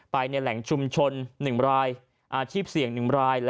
ไปในแหล่งชุมชน๑รายอาชีพเสี่ยง๑ราย